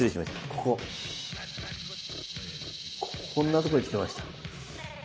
こここんなとこに来ていました。